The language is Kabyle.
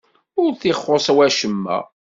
Ur t-ixuṣṣ wacemma?